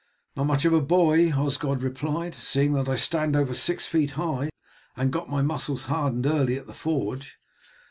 "Not much of a boy," Osgod replied, "seeing that I stand over six feet high, and got my muscles hardened early at the forge.